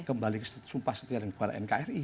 kembali ke sumpah setia kepada nkri